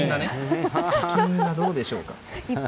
砂金がどうでしょうか？